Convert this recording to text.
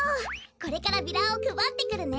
これからビラをくばってくるね！